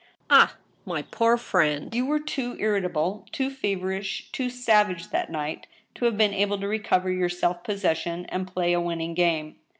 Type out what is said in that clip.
" Ah ! my poor friend, you were too irritable, too feverish, too savage that night to have been able to recover your self possession and play a winning game.